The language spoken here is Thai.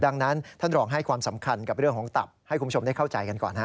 ดังนั้นท่านรองให้ความสำคัญกับเรื่องของตับให้คุณผู้ชมได้เข้าใจกันก่อนฮะ